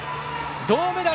銅メダル